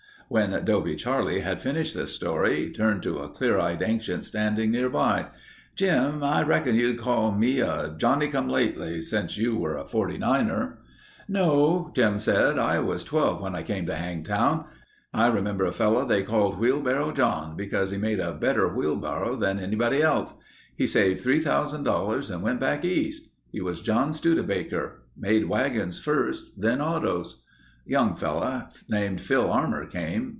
When Dobe Charlie had finished this story he turned to a clear eyed ancient standing nearby. "Jim, I reckon you'd call me a Johnny come lately since you were a Forty Niner." "No," Jim said. "I was 12 when I came to Hangtown. I remember a fellow they called Wheelbarrow John, because he made a better wheelbarrow than anyone else. He saved $3000 and went back East. He was John Studebaker. Made wagons first. Then autos. "Young fellow named Phil Armour came.